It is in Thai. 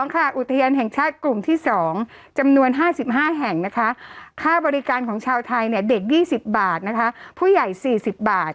อุทยานแห่งชาติกลุ่มที่๒จำนวน๕๕แห่งนะคะค่าบริการของชาวไทยเด็ก๒๐บาทนะคะผู้ใหญ่๔๐บาท